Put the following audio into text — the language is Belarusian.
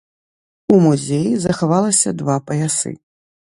У музеі захавалася два паясы.